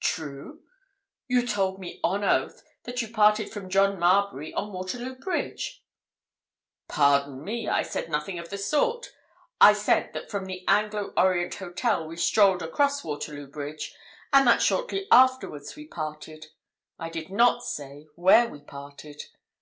"True? You told me, on oath, that you parted from John Marbury on Waterloo Bridge!" "Pardon me, I said nothing of the sort. I said that from the Anglo Orient Hotel we strolled across Waterloo Bridge, and that shortly afterwards we parted—I did not say where we parted.